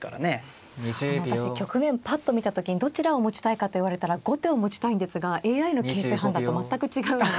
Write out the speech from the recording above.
私局面ぱっと見た時にどちらを持ちたいかと言われたら後手を持ちたいんですがＡＩの形勢判断と全く違うのは。